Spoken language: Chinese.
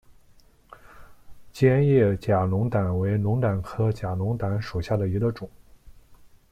尖叶假龙胆为龙胆科假龙胆属下的一个种。